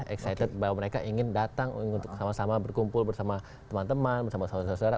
excited bahwa mereka ingin datang untuk sama sama berkumpul bersama teman teman bersama saudara saudara